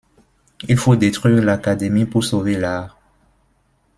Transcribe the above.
Il faut détruire l'Académie pour sauver l'art.